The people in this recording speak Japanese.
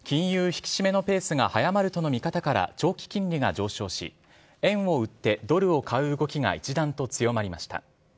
引き締めのペースが早まるとの見方から、長期金利が上昇し、円を売ってドルを買う動きが一段と強まりました。